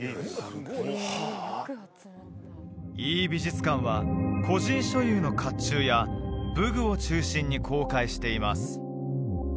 井伊美術館は個人所有の甲冑や武具を中心に公開しています